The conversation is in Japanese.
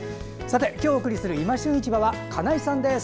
今日お送りする「いま旬市場」は金井さんです。